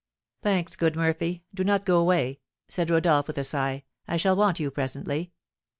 "Thanks, good Murphy. Do not go away," said Rodolph, with a sigh, "I shall want you presently."